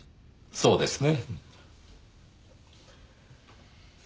そうですね。